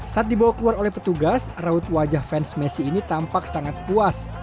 saat dibawa keluar oleh petugas raut wajah fans messi ini tampak sangat puas